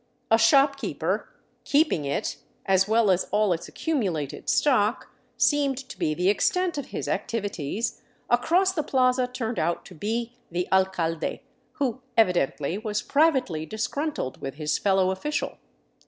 A shop keeper — keeping it, as weU as all its accumulated stock, 407 VAGABONDING DOWN THE ANDES seemed to be the extent of his activities — across the plaza turned out to be the alcalde, who evidently was privately disgruntled with his fel low official.